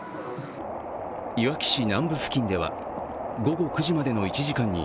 いわき市南部付近では午後９時までの１時間に